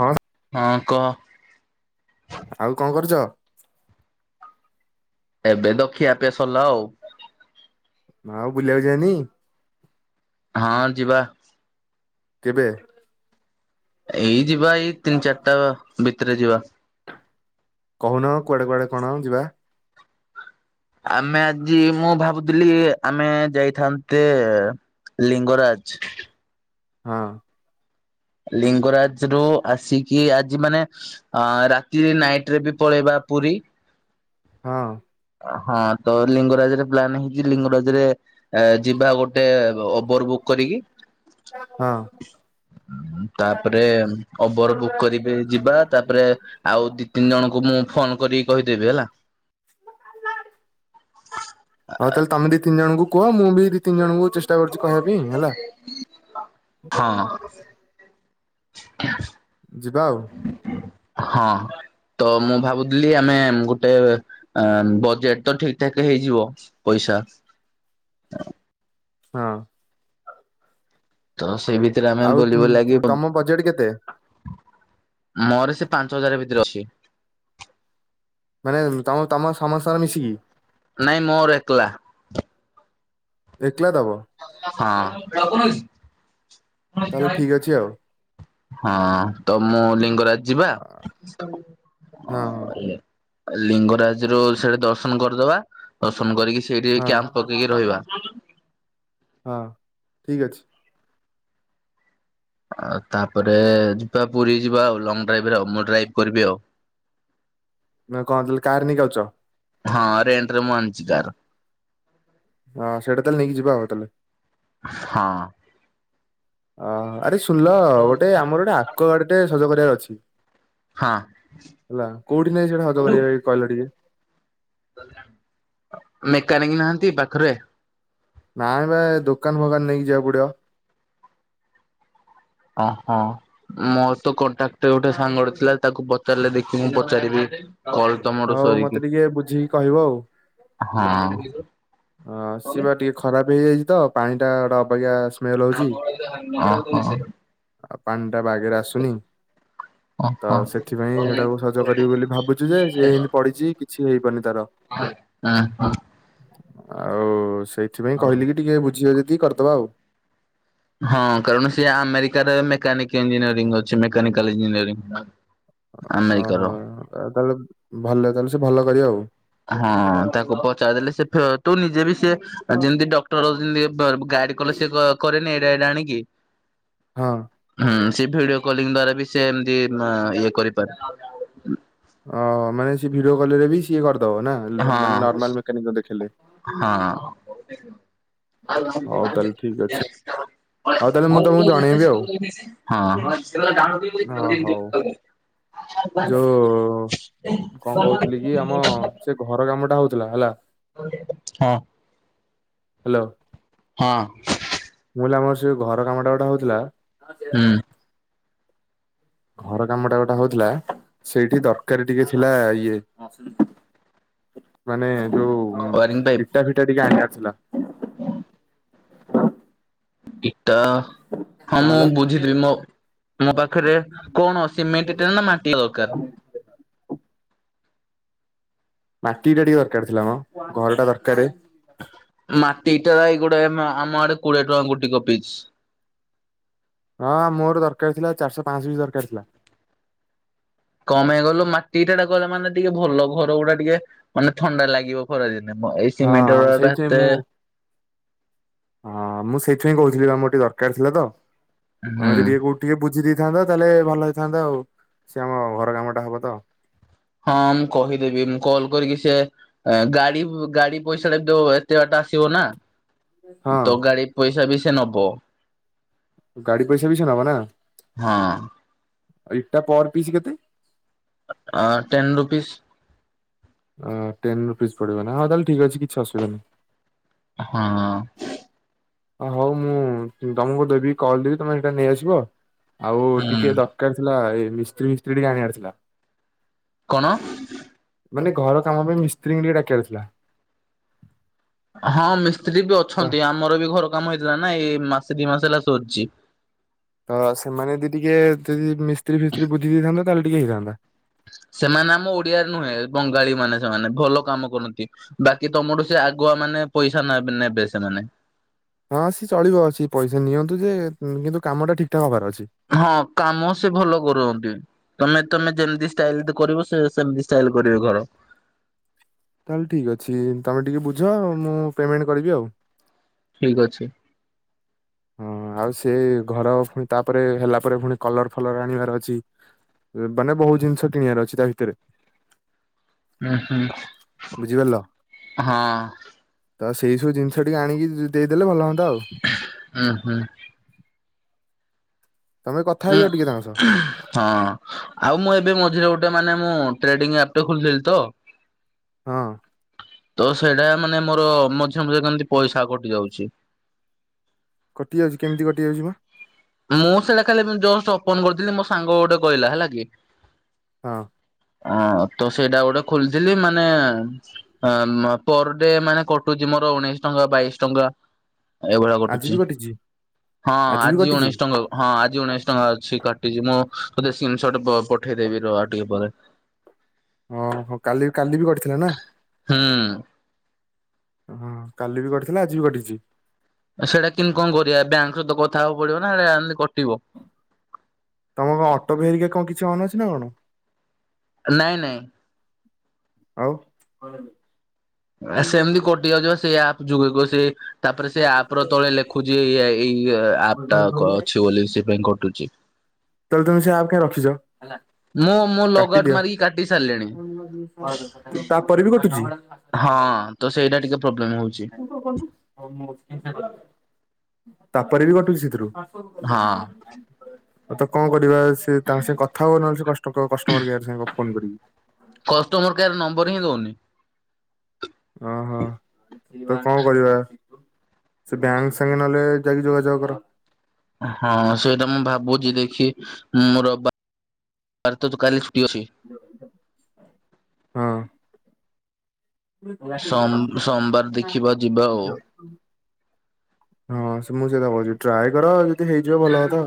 ହଁ ହଁ କହ। ଆଉ କଣ କରୁଛ? ଏବେ ତ ଖିଆ ପିଆ ସରିଲା ଆଉ। ଆଉ ବୁଲିବାକୁ ଯିବାନି? ହଁ ଯିବା। କେବେ? ଏଇ ଯିବା ଏଇ ତିନି ଚାରିଟା ଭିତରେ ଯିବା। କହୁନ କୁଆଡେ କୁଆଡେ କଣ ଯିବା? ଆମେ ଆଜି ମୁଁ ଭାବୁଥିଲି ଆମେ ଯାଇଥାନ୍ତେ ଲିଙ୍ଗରାଜ। ହଁ। ଲିଙ୍ଗରାଜ ରୁ ଆସିକି ଆଜି ମାନେ ଅ ରାତିରେ ନାଇଟ ରେ ବି ପଳେଇବା ପୁରୀ। ହଁ। ଅ ହଁ ତ ଲିଙ୍ଗରାଜରେ ପ୍ଲାନ୍ ହେଇଚି ଲିଙ୍ଗରାଜରେ ଏ ଯିବା ଗୋଟେ ଓବର ବୁକ୍ କରିକି ହଁ ତାପରେ ଓବର ବୁକ୍ କରିବି ଯିବା, ତାପରେ ଆଉ ଦି ତିନି ଜଣଙ୍କୁ ମୁଁ ଫୋନ କରିକି କହିଦେବି ହେଲା। [inaudible] ହଉ ତାହେଲେ ତମେ ଦି ତିନି ଜଣଙ୍କୁୁ କୁହ, ମୁଁ ବି ଦି ତିିନି ଜଣଙ୍କୁ ଚେଷ୍ ହଁ। ଯିବା ଆଉ। ହଁ। ତ ମୁଁ ଭାବୁଥିଲି ଆମେ ଗୋଟେ, ଏଁ ବଜେଟ ତ ଠିକ ଠାକ ହେଇଯିବ ପଇସା। ହଁ। ତ ସେଇ ଭିତରେ ଆମେ ଆଉ ଉଁ, ବୁଲିବୁଲାକି ପ ତମ ବଜେଟ କେତେ? ମୋର ସେ ପାଞ୍ଚ ହଜାର ଭିତରେ ଅଛି। ମାନେ ତମ ତମ ସମସ୍ତଙ୍କର ମିଶିକି? ନାଇଁ ମୋର ଏକଲା। ଏକଲା ଦବ? ହଁ। ଅଛିି ଆଉ। ହଁ, ତ ମୁଁ ଲିଙ୍ଗରାଜ ଯିବା ହଁ ହଁ ଅ ଲିଙ୍ଗରାଜରୁ ସେଠି ଦର୍ଶନ କରିଦବା, ଦର୍ଶନ କରିକି ସେଇଠି ଏଇ ହଁ କ୍ୟାମ୍ପ ପକେଇକି ରହିବା। ହଁ, ଠିକ୍ ଅଛି। ଆଉ ତାପରେ ଯିବା ପୁରୀ ଯିବା ଆଉ, ଲଙ୍ଗ ଡ୍ରାଇଭରେ ଆଉ, ମୁଁ ଡ୍ରାଇଭ୍ କରିବି ଆଉ। ନା କଣ ତାହେଲେ କାର ନେଇକି ଆଉଛ? ହଁ, ରେଣ୍ଟରେ ମୁଁ ଆଣିଚି କାର୍। ହଁ ସେଟା ତାହେଲେ ନେଇକି ଯିବା ଆଉ ତାହେଲେ। ହଁ। ଅହ, ଆରେ ଶୁଣିଲ, ଗୋଟେ ଆମର ଗୋଟେ ଆକ୍ୱାଗାର୍ଡଟେ ସଜ କରିବାର ଅଛି ହଁ ହେଲା, କୋଉଠି ନେଇକି ସେଇଟା ସଜ କରିବା ଭାଇ କହିଲ ଟିକେ? ମେକାନିକ୍ ନାହାଁନ୍ତି ପାଖରେ? ନାଇଁ ବା, ଏଇ ଦୋକାନ ଫୋକାନ ନେଇକି ଯିବାକୁ ପଡିବ। ଆ ହା। ମୋର ତ କଣ୍ଟାକ୍ଟରେ ଗୋଟେ ସାଙ୍ଗଟେ ଥିଲା ଯେ ତାକୁ ପଚାରିଲେ ଦେଖି ମୁଁ ପଚାରିବି, କଲ୍ ତମର ହଉ ମତେ ସରିକି, ଟିକେ ବୁଝିକି କହିବ ଆଉ ହଁ। ହଁ ସିଏ ବା ଟିକେ ଖରାପ ହେଇଯାଇଛି ତ, ପାଣିଟା ଗୋଟେ ଅବାଗିଆ ସ୍ମେ ଓହୋ। ଆଉ ପାଣିଟା ବାଗେରେ ଆସୁନି, ତ ଓହୋ। ସେଥିପାଇଁ ସେଟାକୁ ସ ସଜ କରିବୁ ବୋଲି ଭାବୁଛୁ ଯେ, ସେ ଏମତି ପଡିିଛି କିଛି ହେଇପାରୁନି ତାର। ହ ଆଁ, ହଁ। ଆଉ ସେଇଥିପାଇଁ କହିଲି କି ଟିକେ ବୁଝିବେ ଯଦି କରିଦବା ଆଉ। ହଁ, କାରଣ ସିଏ ଆମେରିକାରେ ମେକାନିକ ଇଞ୍ଜିନିୟରିଂ ଅଛି, ମେକାନିକାଲ ଇଞ୍ଜିନିୟରିଂ। ଆମେରିକାର। ଓହୋ। ଆଉ ତାହେଲେ ଭଲ ତାହେଲେ ସେ ଭଲ କରିବେ ଆଉ। ହଁ। ତାକୁ ପଚାରଦେଲେ, ସେ ଫେ ତୁ ନିଜେ ବି ସେ ଯେମତି ଡକ୍ଟର ଯେମତି ଏ ବୁ ଗାଇଡ୍ କଲେ ସେ କ-କରେନି ଏଇଟା ଏଇଡା ଆଣିକି। ହଁ। ହୁଁ। ସିଏ ଭିଡିଓ କଲିଙ୍ଗ ଦ୍ଵାରା ବି ସେ ଏମତି ନା ଇଏ କରିପାରେ। ଓ ମାନେ ସିଏ ଭିଡିଓ କଲରେ ବି ସିଏ କରିଦବ ନା? ହଁ ମାନେ ନର୍ମାଲ ମେକାନିକକୁ ଦେଖେଇଲେ। ହଉ ତାହେଲେ ହଁ। ଠିକ ଅଛି। ହଉ ତାହେଲେ ମୁଁ ତମକୁ ଜଣେଇବି ଆଉ। ହଁ। ଯୋଉ କଣ କହୁଥିଲି କି, ଆମ ସେ ଘର କାମଟା ହଉଥିଲା ହେଲା। ହଁ। ହ୍ୟାଲୋ। ହଁ। ମୁଁ କହିଲି ଆମର ସେ ଘର କାମଟା ଗୋଟେ ହଉଥିଲା। ହୁଁ। ଘର କାମ ଟା ଗୋଟେ ହଉଥିଲା ସେଇଠି ଦରକାରୀ ଟିକେ ଥିଲା ଇଏ- ମାନେ ଯୋଉ ପାଇପ୍ ଇଟା ଫିଟା ଟିକେ ଆଣିବାର ଥିଲା। କି। ତ ହଁ କଣ ମୁଁ ହେଲା ବୁଝିଦେବିି ମୋ ମୋ ପାଖରେ କଣ ସିମେଣ୍ଟ ଇଟା ନା ମା। ଟି ଲକାର। ମାଟି ଇଟା ଟିକେ ଦରକାର ଥିଲା ମ ଘର ଟା ଦରକାର। ମାଟି ଇଟା ଏଇ ଗୋଟେ ଆମ ଆଡେ କୋଡିଏ ଟଙ୍କା ଗୋଟ କ ପିଚ। ହଁ ମୋର ଦରକାର ଥିଲା ଚାରିଶହ ପାଞ୍ଚଶ ପିସ୍ ଦରକାର ଥିଲା। କମେଇ କଲୁ ମାଟି ଇଟା ଟା ଗଲେ ମାନେ ଟିକେ ଭଲ ଘର ଗୁଡା ଟିକେ ମାନେ ଥଣ୍ଡା ଲାଗିବ। ଖରାଦିନେ ଏଇ ହଁ ସିମେଣ୍ଟର ଟା ସେଇଥିପାଇଁ ଏତେ ମୁଁ ହଁ ମୁଁ ସେଇଥିପାଇଁ କହୁଥିଲି ବା ମୋର ଟିକେ ଦରକାର ଥିଲା ତ। ତମେ ହୁଁ ଯଦି ଟିକେ କୋଉଠି ଟିକେ ବୁଝି ଦେଇଥାନ୍ତ ତାହେଲେ ଭଲ ହେଇଥାନ୍ତା ଆଉ ସିଏ ଆମ ଘର କାମ ଟା ହବ ତ। ହଁ ମୁଁ କହିଦେବି ମୁଁ କଲ କରିକି ସେ। ଗାଡି ଗାଡି ପଇସା ଟା ଦ ଏତେ ବାଟ ଆସିବ ନା। ହଁ ତ ଗାଡି ପଇସା ବି ସେ ନବ। ଗାଡି ପଇସା ବି ସେ ନବ ନା ହଁ। ଆଉ ଇଟା ପର ପିସ୍ କେତେ? ଅ ଟେନ୍ ରୁପିସ୍। ଅଁ ଟେନ ରୁପିସ ପଡିବ ନା ହଁ ତାହେଲେ ଠିକ ଅଛି କିଛି ଅସୁବିଧା ନାହିଁ। ହଁ। ହ ହଉ ମୁଁ ତମକୁ ଦେବି କଲ ଦେବି ତମେ ସେଇଟା ନେଇଆସିବ ଆଉ ହୁଁ ଟିକେ ଦ ଦରକାର ଥିଲା ଏଇ ମିସ୍ତ୍ରୀ ଫିସ୍ତ୍ରୀ ଟିକ ଆଣିବାର ଥିଲା। କଣ। ମାନେ ଘର କାମ ପାଇଁ ମିସ୍ତ୍ରୀଙ୍କୁ ଟିକେ ଡାକିବାର ଥିଲା। ହଁ ମିସ୍ତ୍ରୀ ବି ତ ଅଛନ୍ତି ଆମର ବି ଘର କାମ ହେଇଥିଲା ନା ଏଇ ମାସେ ଦି ମାସ ହେଲା ସରିଛି। ତ ସେମାନେ ଯଦି ଟିକେ ଯଦି ମିସ୍ତ୍ରୀ ଫିସ୍ତ୍ରୀ ବୁଝି ଦେଇଥାନ୍ତ ତାହେଲେ ଟିକେ ହେଇଥାନ୍ତା। ସେମାନେ ଆମ ଓଡିଆରେ ନୁହେଁ ବଙ୍ଗାଳୀ ମାନେ ସେମାନେ ଭଲ କାମ କରନ୍ତି। ବାକି ତମଠୁ ସେ ଆଗୁଆ ମାନେ ପଇସା ନ ନେବେ ସେମାନେ। ହଁ ସିଏ ଚଳିବ ଅଛି ପଇସା ନିଅନ୍ତୁ ଯେ କିନ୍ତୁ କାମଟା ଠିକ୍ ଠାକ ହବାର ଅଛି। ହଁ କାମ ସେ ଭଲ କରୁଛନ୍ତି। ତମେ ତମେ ଯେମିତି ଷ୍ଟାଇଲ ରେ ଦ କରିବ ସେ ସେମିତି ଷ୍ଟାଇଲ କରିବେ ଘର। ତାହେଲେ ଠିକ୍ ଅଛି ତୁମେ ଟିକେ ବୁଝ ମୁଁ ପେମେଣ୍ଟ କରିବି ଆଉ। ଠିକ ଅଛି। ହଁ ଆଉ ସେ ଘର ପୁଣି ତାପରେ ହେଲା ପରେ ପୁଣି କଲର ଫଲର ଆଣିବାର ଅଛି। ମାନେ ବହୁତ ଜିନିଷ କିଣିବାର ଅଛି ତା ଭିତରେ। ହୁଁ ହୁଁ। ବୁଝିପାରିଲ ହଁ ତ ସେଇ ସବୁ ଜିନିଷ ଟିକେ ଆଣିକି ଦେଇଦେଲେ ଭଲ ହୁଅନ୍ତା ଆଉ। ହୁଁ ହୁଁ। ତମେ କଥା ଉଁ ହେଇଯାଅ ଟିକେ ତାଙ୍କ ସହ। ହଁ ଆଉ ମୁଁ ଏବେ ମଝିରେ ଗୋଟେ ମାନେ ମୁଁ ଟ୍ରେଡିଙ୍ଗ ଆପ୍ ଟା ଖୋଲିଥିଲି ତ ହଁ ତ ସେଇଟା ମାନେ ମୋର ମଝିରେ ମଝିରେ ଏମିତି ପଇସା କଟି ଯାଉଛି। [inaudible] କଟିଯାଉଛି କେମିତି କଟିଯାଉଛି ବା। ମୁଁ ସେଇଟା ଖାଲି ଜଷ୍ଟ ଓପନ କରିଥିଲି ମୋ ସାଙ୍ଗ ଗୋଟେ କହିଲା ହେଲା କି। ହଁ। ଅ ତ ସେଇଟା ଗୋଟେ ଖୋଲିଥିଲି ମାନେ ଆଃ ପର ଡେ ମାନେ କଟୁଛି ମୋର ଉଣେଇଶି ଟଙ୍କା ବାଇଶି ଟଙ୍କା। ଏଭଳିଆ ଆଜି କଟୁଛି ବି କଟିଛି ହଁ ବି ଆଜି କଟିଛି ଉଣେଇଶି ଟଙ୍କା। ହଁ ଆଜି ଉଣେଇଶ ଟଙ୍କା ଅଛି କାଟିଛି ମୁଁ ତତେ ସ୍କ୍ରିନ ସର୍ଟ ପଠେଇଦେବି ର ଆଉ ଟିକେ ପରେ। ଓହୋଃ କାଲି କାଲି ବି କଟିଥିଲା ନା। ହୁଁ ହଁ କାଲି ବି କଟିଥିଲା ଆଜି ବି କଟିଛି। ସେଇଟା କି କଣ କରିବା ବ୍ୟାଙ୍କ ସହିତ କଥା ହବକୁ ପଡିବ ନା ସେଟା ଏମିତି କଟିବ। ତମ କଣ ଅଟୋ ଭେରିକା କଣ କିଛି ଅନ ଅଛି ନା କଣ? ନାଇଁ ନାଇଁ। ଆଉ ଆ ସେମିତି କଟି ଯାଉଛି ସେ ଆପ ଯୁଗକୁ ସେ ତାପରେ ସେ ଆପ ର ତଳେ ଲେଖୁଛି ଏଇ ଆପ୍ ଟା କ ଅଛି ବୋଲି ସେ ପାଇଁ କଟୁଛି। ତାହେଲେ ତମେ ସେଇ ଆପ କାଇଁ ରଖିଛ ହେଲା [unintelligible] ମୁଁ ମୁଁ ଲଗଆଉଟ୍ କାଟିଦିଅ ମାରିକି କାଟି ସାରିଲିଣି [unintelligible] ତାପରେ ବି କଟୁଛି? ହଁ ତ ସେଇଟା ଟିକେ ପ୍ରୋବ୍ଲେମ ହଉଛି। ତାପରେ ବି କଟୁଛି ସେଥିରୁ। ଆଉ ହଁ ତ କଣ କରିବା। ସେ ତାଙ୍କ ସେ କଥା ହୁଅନ ନହେଲେ ସେ କଷ୍ଟକ କଷ୍ଟମର କେୟାର ସାଙ୍ଗ ଗ ଫୋନ କରିକି। କଷ୍ଟମର କେୟାର ନମ୍ବର ହିଁ ଦେଉନି। ଓହୋ ହଁ [unintelligible] ତ କଣ କରିବା ସେ ବ୍ୟାଙ୍କ ସାଙ୍ଗେ ନହେଲେ ଯାଇକି ଯୋଗାଯୋଗ କର। ହଁ ସେଇଟା ମୁଁ ଭାବୁଛି ଦେଖି ମୁଁ ରବି [unintelligible] ତ କାଲି ଛୁଟି ଅଛି। [unintelligible] ହଁ ସ-ସମବାର ଦେଖିବା ଯିବା ଆଉ। ହଁ ସେ ମୁଁ ସେ [unintelligible] ଟ୍ରାଏ କର ଯଦି ହେଇଯିବ ଭଲ କଥା।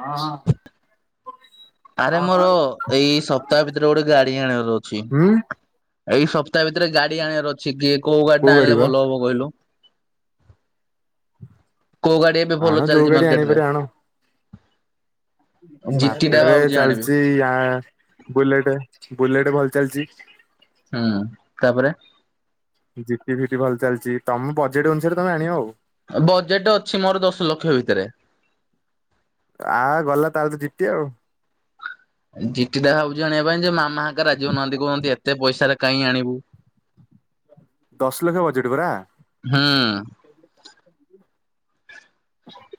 ହଁ ହଁ। ଆରେ ମୋର ଏଇ ସପ୍ତାହ ଭିତରେ ଗୋଟେ ଗାଡି ଆଣିବାର ଅଛି। ହୁଁ। ଏଇ ସପ୍ତାହ ଭିତରେ ଗାଡି ଆଣିବାର ଅଛି କିଏ କୋଉ ଗାଡି ଟା ଆଣିଲେ ଭଲ ହବ କହିଲୁ? କୋଉ ଗାଡି ଏବେ ଆଣ ଭଲ ଯୋଉ ଚାଲିଛି ଗାଡି ମାର୍କେଟରେ? ଆଣିପାରେ ଜିଟି ଟା ମାର୍କେଟରେ ଭାବୁଛି ଆଣିବି। ଚାଲିଛି ଆ ବୁଲେଟ ବୁଲେଟ ଭଲ ଚାଲିଛି। ହୁଁ ତାପରେ ଜି ଟି ଫି ଟି ଭଲ ଚାଲିଛି ତମ ବଜେଟ୍ ଅନୁସାରେ ତମେ ଆଣିବ ଆଉ। ବଜେଟ ଅଛି ମୋର ଦଶ ଲକ୍ଷ ଭିତରେ। ଆ ଗଲା ତାହେଲେ ତ ଜି ଟି ଆଉ। ଜି ଟି ଟା ଭାବୁଛି ଆଣିବା ପାଇଁ ଯେ ମାମା ହେରିକା ରାଜିି ହଉ ନାହାନ୍ତି କହୁଛନ୍ତି ଏତେ ପଇସା କାହିଁ ଆଣିବୁ? [inaudible] ଦଶ ଲକ୍ଷ ବଜେଟ୍ ପରା। ହଁ।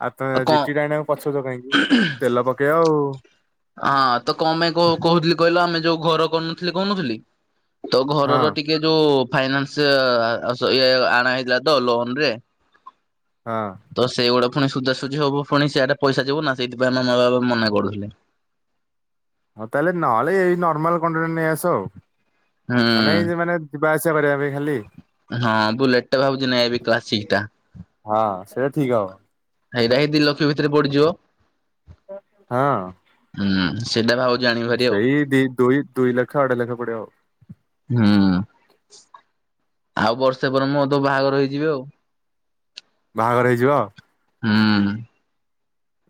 ଆଉ ତମେ ଜିଟି ଟା ଆଣିବାକୁ ପଛାଉଚ କାହିଁକି ତେଲ ପକେଇବ ଆଉ। ହଁ ତ କଣ ପାଇଁ କୋ-କୋହୁଥିଲି କହିଲ ଆମେ ଯୋଉ ଘର କରନଥିଲି କହୁନଥିଲି ତ ହଁ ଘରର ଟିକେ ଟିକେ ଯୋଉ ଫାଇନାନ୍ସ ସ ଇଏ ଆଣା ହେଇଥିଲା ତ ଲୋନ୍ ରେ ହଁ। ତ ସେଇଗୁଡା ପୁଣି ସୁଝାସୁଝି ହବ ପୁଣି ସିଆଟେ ପଇସା ଯିବ ନା ସେଇଥି ପାଇଁ ମାମା ବାବା ମନା କରୁଥିଲେ। ହଁ ତାହେଲେ ନହେଲେ ଏଇ ନର୍ମାଲ କଣ୍ଡିନ ନେଇ ଆସ ଆଉ ମାନେ ହୁଁ ଏଇ ଯେ ମାନେ ଯିବା ଆସିବା କରିବା ପାଇଁ ଖାଲି। ହଁ ବୁଲେଟେ ଭାବୁଛି ନେଇଁ ଆଇବି କ୍ଲାସିକ ଟା। ହଁ ସେଇଟା ଠିକ୍ ହବ। ଏଇଟା ହି ଦିଲକ୍ଷ ଭିତରେ ପଡିଯିବ। ହଁ ଅଁ। ହୁଁ, ସେଟା ଭାବ୍ ସେଇ ଦି ଦୁଇ ଦୁଇ ଲକ୍ଷ ଢେଇ ଲକ୍ଷ ପଡିବ ଆଉ। ହୁଁ ଆଉ ବର୍ଷେ ପରେ ମୁଁ ତ ବାହାଘର ହେଇଯିବି ଆଉ। ବାହାଘର ହେଇଯିବ? ହୁଁ ଉଁ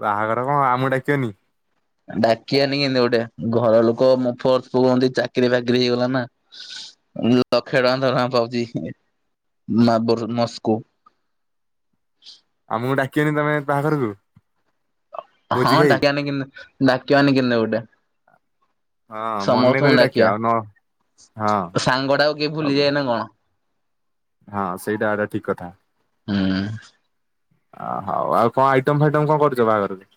ବାହାଘର ହବ, ଆମକୁ ଡାକିବନି? ଡାକି ଆନି କେମତି ଗୋଟେ, ଘର ଲୋକ [unintelligible] ଚାକିରି ଫାକିରି ହେଇଗଲା ନା ଲକ୍ଷେ ଟଙ୍କା ଦରମା ପାଉଚି, ମା [unintelligible] ମସ୍କୁୋ। ଆମକୁ ଡାକିବନି ତମେ ବାହାଘରକୁ? ହଁ ଭୋଜି ଖାଇ। ଡାକିବା କେମିତି, ଡାକିବା ନି କେମିତି ଗୋଟେ। [inaudible] ମନେ ସମସ୍ତଙ୍କୁ କରି ଡାକିବା, ଆଉ ନ ହଁ ସାଙ୍ଗ ଟା କୁ କିଏ ଆଉ ଭୁଲିଯାଏ ନା କଣ? [inaudible] ହଁ ସେଇଟା ଏଟା ଠିକ୍ କଥା। ହୁଁ ଉଁ ଅ ହଉ ଆଉ କଣ ଆଇଟମ ଫାଇଟମ କଣ କରୁଚ ବାହାଘରକୁ?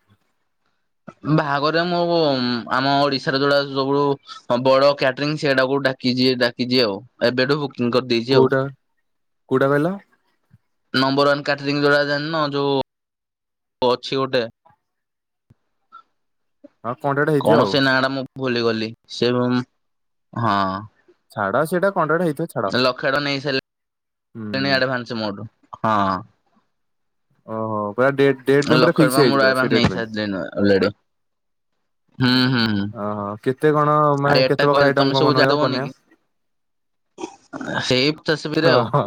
ବାହାଘର ମୁଁ ଆମ ଓଡିଶାରେ ଯୋଉଡା ସବୁୁ ହଁ ବଡ କ୍ୟାଟରିଂ ସେଇଟାକୁ ଡାକିଚି, ଡାକିଚି ଆଉ, ଏବେଠୁ ବୁକିଂ କ କୋଉଟା, କୋଉଟା କହିଲ? ନମ୍ବର ୱାନ୍ କାଟରିଙ୍ଗ ଯୋଉଟା ଜାଣିନ? ଯୋଉ ଅଛି ଗୋଟେ ଆଉ ଥଣ୍ଡାଟେ ହେଇଥିବ କଣ ସେ ନାଁ ଟା ମୁଁ ଭୁଲିଗଲି, ସେ ହଁ ଛାଡ ସେଟା କଣ୍ଡା ହେଇଥିବ। ଛାଡ। ଲକ୍ଷେ ଟଙ୍କା ନେଇ ସାରିଲେଣି ହୁଁ ଆଡଭାନ୍ସ ମୋଠୁ। ଓହୋ, ପୁରା ଡେଟ୍? ଡେଟ୍ ପାଇଁ ପୁରା ଲକ୍ଷେ ଫିକ୍ସ ଟଙ୍କା ହେଇଯାଇଛି ମୁଁଳା ପୁରା ସେ ଡେଟ୍ ନେଇ ପାଇଁ। ସାରିଚେ ଅଲରେଡି, ହୁଁ ହୁଁ। ଓହୋ, କେତେ କଣ? ମାନେ ରେଟ୍ କେତେ ଟା ପ୍ରକାର କହିଲେ ତମେ ଆଇଟମ କଣ ସବୁ ବନେଇବ ଜାଣିଦବନି କି ବନେଇବ? ସେଇ [unintelligible] ଆଉ। ଅ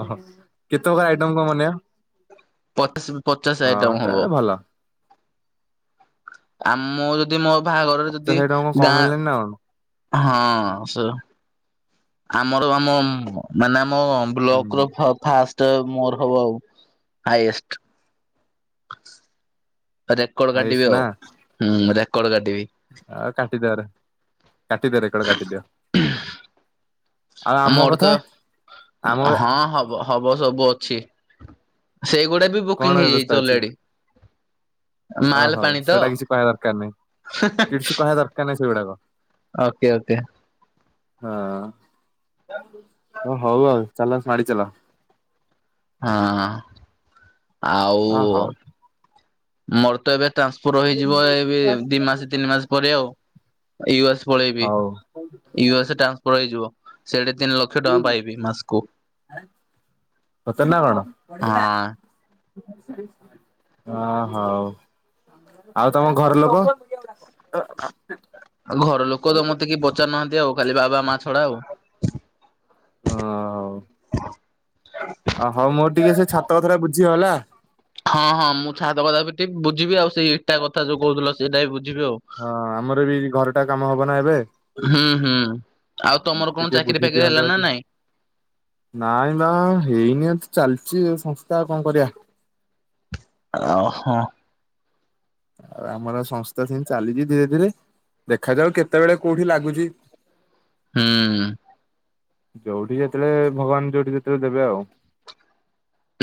ହ କେତେ ପ୍ରକାର ଆଇଟମ କଣ ବନେଇବ? ପଚାଶ, ପଚାଶ ହଁ ଆଇଟମ ହବ, ତାହେଲେ ଭଲ ଆମ ଯଦି ମୋ ବାହାଘରରେ ପଚାଶ ଯଦି ଆଇଟମ କଣ କମ ଗାଁ ହେଲାଣି ନା କଣ? ହଁ ସ ଆମର ଆମ ମାନେ ଆମ ହୁଁ ବ୍ଲକ୍ ର ଫ ଫାଷ୍ଟ ମୋର ହବ ଆଉ ହାଇଏଷ୍ଟେ। ରେକର୍ଡ ହାଇଏଷ୍ଟ କାଟିବି ନା ଆଉ, ହୁଁ ରେକର୍ଡ କାଟିବି। ଆ କାଟିଦିରେ କାଟିଦିରେ ରେକର୍ଡ କାଟିଦିଅ। ଆଉ ଆମ ମୋର କଥା ତ, ଆମ ହଁ ହବ। ହବ ସବୁ ଅଛି, ସେଇଗୁଡା ବି ବୁକିଂ କଣ ହେଇଯାଇଛି ବ୍ୟବସ୍ଥା ଅଛି? ଅଲରେଡି ମାଲ ଓହୋ, ପାଣି ତ? ସେଟା କିଛି କହିବା ଦରକାର ନାହିଁ। କିଛି କହିବା ଦରକାର ନାହିଁ ସେଇଗୁଡାକ। Okay okay. ହଁ, ହଉ ଆଉ, ଚାଲ ମାଡି ଚାଲ ହଁ ହଁ ଆଉ। ହଉ ମୋର ତ ଏବେ ଟ୍ରାନ୍ସଫର ହେଇଯିବ ଏବେ, ଦି ମାସ ତିନି ମାସ ପରେ ଆଉ। ୟୁଏସ୍ ପଳେଇବି, ହଉ ୟୁଏସ୍ ଟ୍ରାନ୍ସଫର ହେଇଯିବ, ସେଠି ତିନି ଲକ୍ଷ ଲକ୍ଷେ ଟଙ୍କା ପାଇବି ମାସ୍କୁ ସତରେ ନା କଣ? ହଁ। ହଁ, ହଉ। ଆଉ ତମ ଘର ଲୋକ? ଆଉ ଘର ଲୋକ ତ ମତେ କିଏ ପଚାରୁନାହାନ୍ତି, ଆଉ ଖାଲି ବାବା ମା ଛଡା ଆଉ। ହଁ। ଓ ହୋଉ ମୋର ଟିକେ ସେ ଛାତ କଥଟା ବୁଝିବ ହେଲା। ହଁ ହଁ ମୁଁ ଛାତ କଥା ପି ଟିକେ ବୁଝିବି ଆଉ ସେଇ ଇଟା କଥା ଯୋଉ କହୁଥିଲ ସେଇଟା ବି ବୁଝିବି ଆଉ। ହଁ ଆମର ବି ଘରଟା କାମ ହବ ନା ଏବେ। ହୁଁ ହୁଁ। ଆଉ ତମର କଣ ଟିକେ ଚାକିରି ବୁଝି ଫାକିରି ହେଲା ଦିଅନ୍ତ ନା ଯଦି ନାଇଁ? ନାଇଁ ବା ହେଇନି। ଏମିତି ଚାଲିଛି ସଂସ୍ଥା କଣ କରିବା। ଓହୋ। ଆଉ ଆମର ସଂସ୍ଥା ସେମିତି ଚାଲିଛି ଧୀରେ ଧୀରେ। ଦେଖାଯାଉ କେତେବେଳେ କୋଉଠି ଲାଗୁଛି। ହୁଁ। ଯୋଉଠି ଯେତେବେଳେ ଭଗବାନ ଯୋଉଠି ଯେତେବେଳେ ଦେବେ ଆଉ।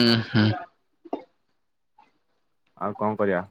ଉହୁଁ ହୁଁ। ଆଉ କଣ କରିବା?